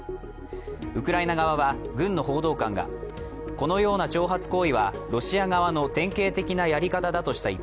ウクライナ側は軍の報道官がこのような挑発行為はロシア側の典型的なやり方だと発表。